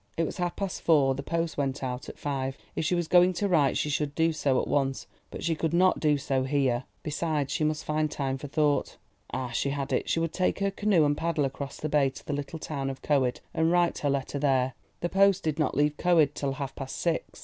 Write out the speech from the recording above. It was half past four—the post went out at five; if she was going to write, she should do so at once, but she could not do so here. Besides, she must find time for thought. Ah, she had it; she would take her canoe and paddle across the bay to the little town of Coed and write her letter there. The post did not leave Coed till half past six.